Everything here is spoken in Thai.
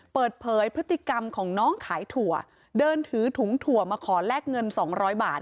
เปิดเผยพฤติกรรมของน้องขายถั่วเดินถือถุงถั่วมาขอแลกเงิน๒๐๐บาท